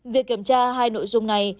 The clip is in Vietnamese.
việc kiểm tra hai nội dung này